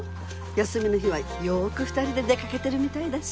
休みの日はよく２人で出かけてるみたいだし。